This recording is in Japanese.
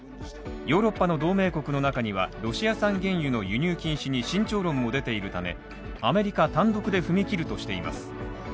ヨーロッパの同盟国の中にはロシア産原油の輸入禁止に慎重論も出ているためアメリカ単独で踏み切るとしています。